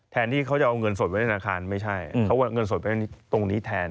แทนที่เขาจะเอาเงินสดไว้ธนาคารไม่ใช่เขาเงินสดไว้ตรงนี้แทน